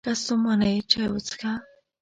که ستومانه یې، چای وڅښه!